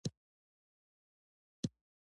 زده کړه د فکر ځواک زیاتوي.